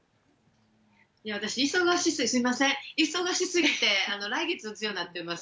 私、すみません、忙しすぎて、来月打つようになってます。